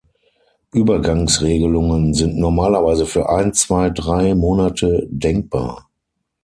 Übergangsregelungen sind normalerweise für ein, zwei, drei Monate denkbar.